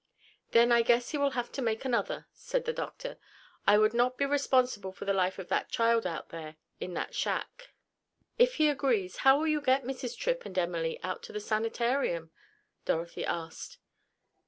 "Then I guess he will have to make another," said the doctor. "I would not be responsible for the life of that child out there in that shack." "If he agrees, how will you get Mrs. Tripp and Emily out to the sanitarium?" Dorothy asked.